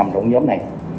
năm đồng nhóm này